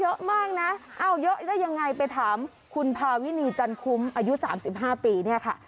เยอะมากนะเอ้าเยอะได้ยังไงไปถามคุณพาวินีจันคุ้มอายุ๓๕ปีเนี่ยค่ะ